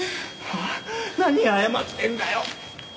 何謝ってんだよ！